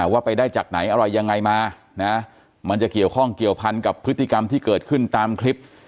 ว่าไปได้จากไหนอะไรยังไงมานะมันจะเกี่ยวข้องเกี่ยวพันกับพฤติกรรมที่เกิดขึ้นตามคลิป